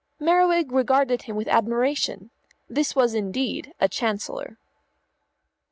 Merriwig regarded him with admiration. This was indeed a Chancellor.